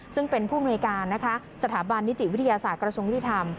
ซึ่งเป็นผู้ในการสถาบันนิติวิทยาศาสตร์กระทรวงวิทยาธรรม